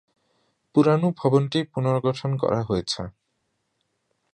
পুরানো ভবনটি পুনর্গঠন করা হয়েছে।